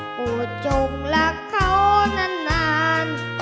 โหจงรักเขานานนาน